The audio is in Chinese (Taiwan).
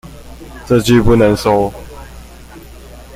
這句不能收